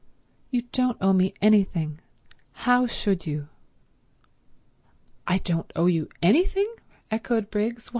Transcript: You don't owe me anything. How should you?" "I don't owe you anything?" echoed Briggs.